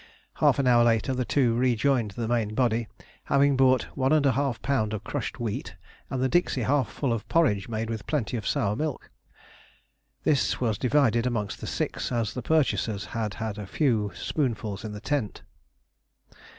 Half an hour later the two rejoined the main body, having bought 1½ lb. of crushed wheat and the dixie half full of porridge made with plenty of sour milk. This was divided amongst the six, as the purchasers had had a few spoonfuls in the tent.